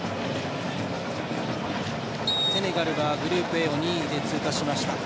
セネガルはグループＡを２位で通過しました。